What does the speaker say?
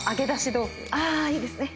あいいですね。